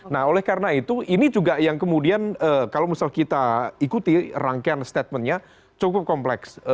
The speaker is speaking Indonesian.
nah oleh karena itu ini juga yang kemudian kalau misal kita ikuti rangkaian statementnya cukup kompleks